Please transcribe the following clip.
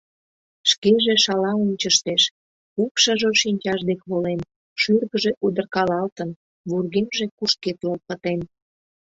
Шкеже шала ончыштеш, упшыжо шинчаж дек волен, шӱргыжӧ удыркалалтын, вургемже кушкедлыл пытен.